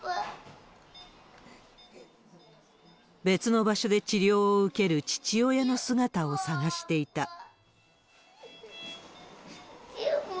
別の場所で治療を受ける父親の姿を捜していた。